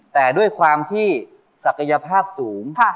แต่ด้วยความที่ศักยภาพสูง